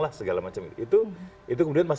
lah segala macam itu kemudian